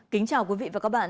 kính chào quý vị và các bạn